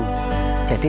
jadi tidak boleh dikonsumsi